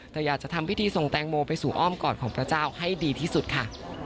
แต่อยากจะทำพิธีส่งแตงโมไปสู่อ้อมกอดของพระเจ้าให้ดีที่สุดค่ะ